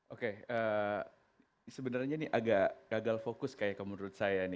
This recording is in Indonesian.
oke sebenarnya ini agak gagal fokus kayak kalau menurut saya nih